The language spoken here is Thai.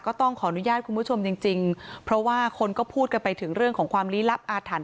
ก็ต้องขออนุญาตคุณผู้ชมจริงจริงเพราะว่าคนก็พูดกันไปถึงเรื่องของความลี้ลับอาถรรพ